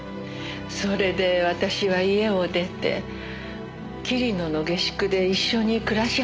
それで私は家を出て桐野の下宿で一緒に暮らし始めたの。